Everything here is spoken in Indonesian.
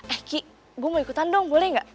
eh ki gue mau ikutan dong boleh gak